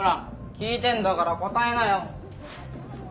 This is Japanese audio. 聞いてんだから答えなよ。